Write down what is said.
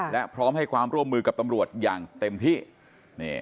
และพร้อมให้ความร่วมมือกับตำรวจอย่างเต็มที่